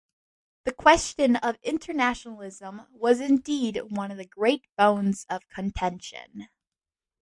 The question of internationalism was indeed one of the great bones of contention.